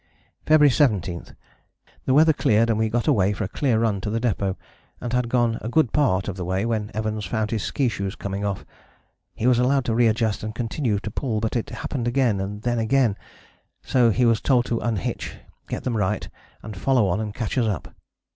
"February 17. The weather cleared and we got away for a clear run to the depôt and had gone a good part of the way when Evans found his ski shoes coming off. He was allowed to readjust and continue to pull, but it happened again, and then again, so he was told to unhitch, get them right, and follow on and catch us up.